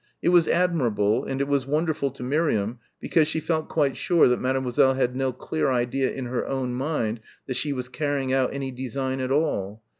It was admirable and it was wonderful to Miriam because she felt quite sure that Mademoiselle had no clear idea in her own mind that she was carrying out any design at all.